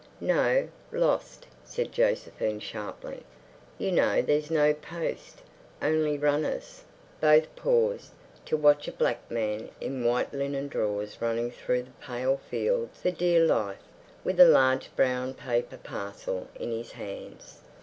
"No, lost," said Josephine sharply. "You know there's no post. Only runners." Both paused to watch a black man in white linen drawers running through the pale fields for dear life, with a large brown paper parcel in his hands.